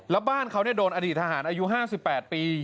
แล้วบ้านเขาโดนอดีตทหารอายุ๕๘ปี